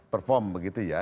perform begitu ya